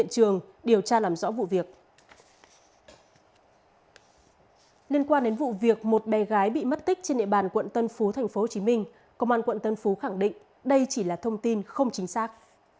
công an quận tân phú khẳng định đây chỉ là thông tin không chính xác